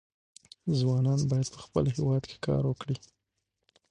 ځوانان باید په خپل هېواد کې کار وکړي.